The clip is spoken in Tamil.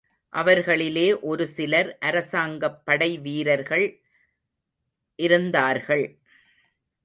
அவர்களிலே ஒரு சிலர் அரசாங்கப் படைவீரர்கள் இருந்தார்கள்.